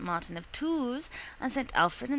Martin of Tours and S. Alfred and S.